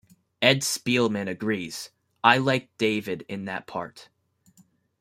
Ed Spielman agrees: I liked David in the part.